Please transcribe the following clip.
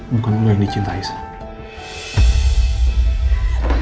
bukan lo yang dicintai sa